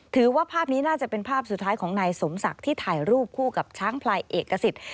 ภาพนี้น่าจะเป็นภาพสุดท้ายของนายสมศักดิ์ที่ถ่ายรูปคู่กับช้างพลายเอกสิทธิ์